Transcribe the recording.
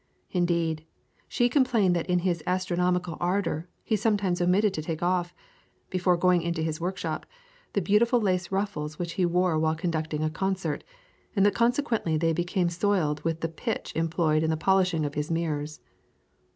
Indeed, she complained that in his astronomical ardour he sometimes omitted to take off, before going into his workshop, the beautiful lace ruffles which he wore while conducting a concert, and that consequently they became soiled with the pitch employed in the polishing of his mirrors.